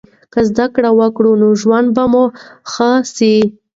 که زده کړه وکړو نو ژوند به مو ښه سي.